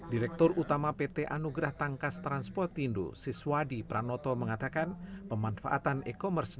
direktur utama pt anugerah tangkas transportindo siswadi pranoto mengatakan pemanfaatan e commerce